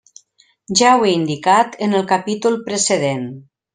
Ja ho he indicat en el capítol precedent.